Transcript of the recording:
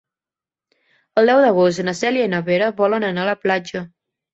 El deu d'agost na Cèlia i na Vera volen anar a la platja.